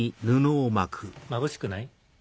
まぶしくない？